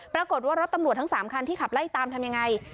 ปรากฏว่ารถตำรวจทั้ง๓คันที่ขับไล่ตามทำยังไง